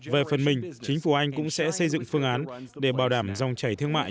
về phần mình chính phủ anh cũng sẽ xây dựng phương án để bảo đảm dòng chảy thương mại